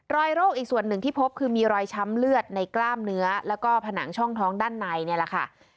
โรคอีกส่วนหนึ่งที่พบคือมีรอยช้ำเลือดในกล้ามเนื้อแล้วก็ผนังช่องท้องด้านในนี่แหละค่ะ